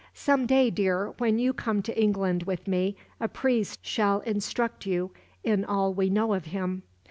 "Some day, dear, when you come to England with me, a priest shall instruct you in all we know of Him.